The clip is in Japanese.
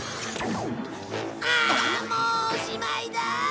ああもうおしまいだ！